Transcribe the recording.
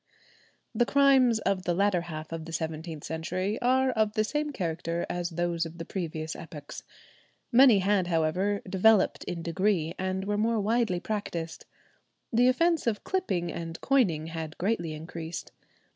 The crimes of the latter half of the seventeenth century are of the same character as those of previous epochs. Many had, however, developed in degree, and were more widely practised. The offence of clipping and coining had greatly increased.